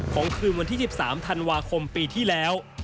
คืนวันที่๑๓ธันวาคมปีที่แล้ว